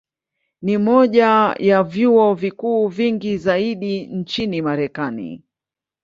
Ni moja ya vyuo vikuu vingi zaidi nchini Marekani.